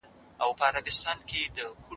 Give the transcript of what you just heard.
پانګه د پانګي د حاصل کچه لوړوي.